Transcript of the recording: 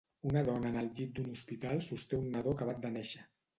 Una dona en el llit d'un hospital sosté un nadó acabat de néixer.